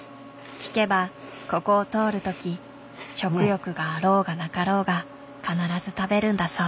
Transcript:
聞けばここを通る時食欲があろうがなかろうが必ず食べるんだそう。